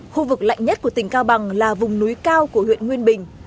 khu vực lạnh nhất của tỉnh cao bằng là vùng núi cao của huyện nguyên bình